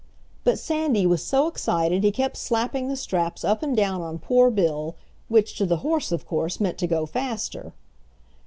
But Sandy was so excited he kept slapping the straps up and down on poor Bill, which to the horse, of course, meant to go faster.